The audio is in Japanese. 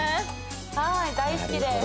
はい大好きです